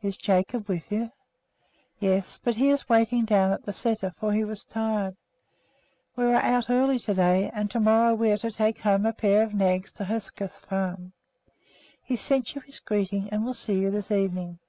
"Is Jacob with you?" "Yes, but he is waiting down at the sæter, for he was tired. We were out early to day, and tomorrow we are to take home a pair of nags to Hoegseth Farm. He sent you his greeting and will see you this evening."